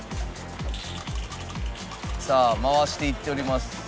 さあ回していっております。